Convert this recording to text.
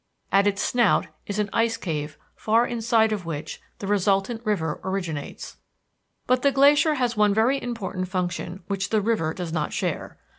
At its snout is an ice cave far inside of which the resultant river originates. But the glacier has one very important function which the river does not share.